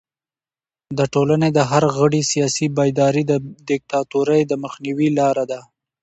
د ټولنې د هر غړي سیاسي بیداري د دیکتاتورۍ د مخنیوي لاره ده.